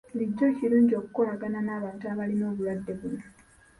Bulijjo kirungi okukolagana n'abantu abalina obulwadde buno.